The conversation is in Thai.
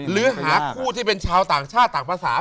หรือหาคู่ที่เป็นชาวต่างชาติต่างภาษา